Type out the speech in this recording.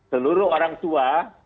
seluruh orang tua